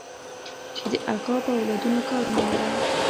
چې د اکا په اولادونو کار مه لره.